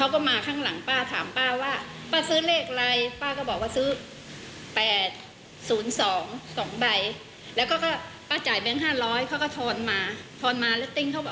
คือเฉพาะอาหาร๑ใบ๗๖ใบ